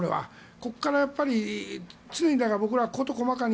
ここから常に僕らは事細かに